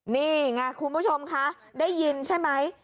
นี่ไงคุณผู้ชมคะได้ยินใช่ไหม